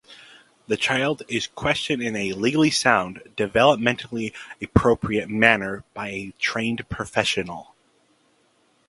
The child is questioned in a legally-sound, developmentally appropriate manner by a trained professional.